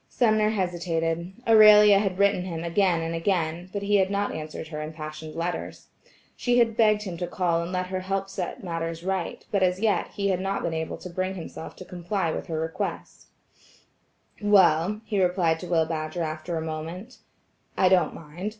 Sumner hesitated. Aurelia had written him again and again, but he had not answered her impassioned letters. She had begged him to call and let her help set matters right, but as yet, he had not been able to bring himself to comply with her request. "Well," he replied to Will Badger after a moment, "I don't mind.